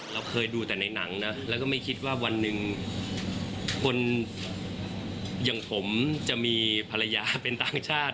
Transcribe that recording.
เราเคยดูแต่ในหนังนะแล้วก็ไม่คิดว่าวันหนึ่งคนอย่างผมจะมีภรรยาเป็นต่างชาติ